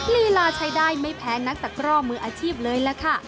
ลีลาใช้ได้ไม่แพ้นักตะกร่อมืออาชีพเลยล่ะค่ะ